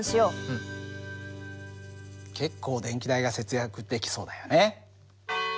結構電気代が節約できそうだよね。